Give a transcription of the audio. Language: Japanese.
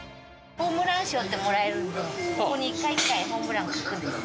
ホームラン賞ってもらえるのでここに一回一回ホームランを書くんです。